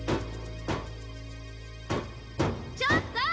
ちょっと！